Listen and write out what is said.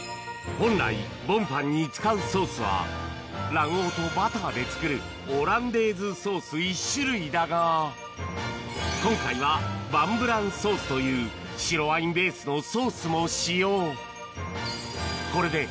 本来ボンファンに使うソースは卵黄とバターで作るオランデーズソース１種類だが今回はヴァンブランソースという白ワインベースのソースも使用